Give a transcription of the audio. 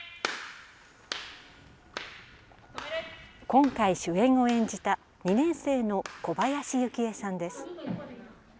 今回、主演を演じた２年生の小林夕紀恵さんです。